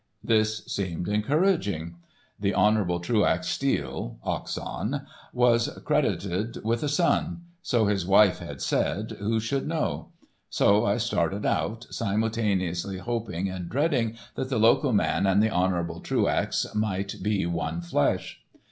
This seemed encouraging. The Hon. Truax Steele, Oxon, was accredited with a son—so his wife had said, who should know. So I started out, simultaneously hoping and dreading that the loco man and the honourable Truax might be one flesh.